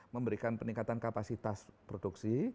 memberikan peningkatan kapasitas produksi